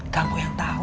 kamu yang tahu